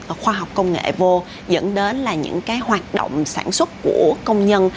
với những phương pháp kinh doanh nghệ vô dẫn đến là những hoạt động sản xuất của công nhân